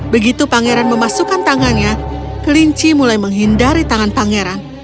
begitu pangeran memasukkan tangannya kelinci mulai menghindari tangan pangeran